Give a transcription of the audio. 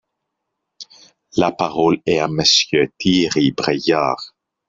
La parole est à Monsieur Thierry Braillard.